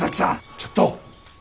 ちょっと。